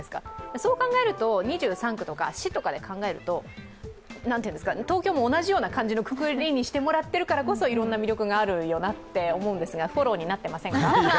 そう考えると、２３区とか市とかで考えると、東京も同じような感じのくくりにしてもらっているからこそいろんな魅力があると思うんですが、フォローになってませんか？